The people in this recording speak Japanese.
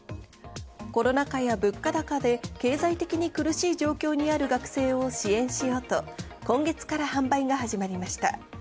コロナ禍や物価高で経済的に苦しい状況にある学生を支援しようと今月から販売が始まりました。